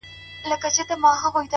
• یوځل وانه خیست له غوښو څخه خوند -